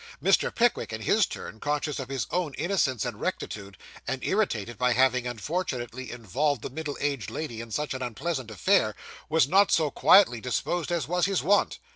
Mr. Pickwick, in his turn, conscious of his own innocence and rectitude, and irritated by having unfortunately involved the middle aged lady in such an unpleasant affair, was not so quietly disposed as was his wont.